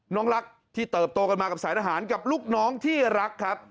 น้องรักที่เติบโตกันมากับสายทหารกับลูกน้องที่รักครับ